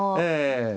ええ。